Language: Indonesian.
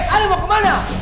aduh mau kemana